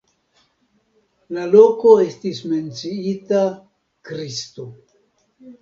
La loko estis menciita Kristo.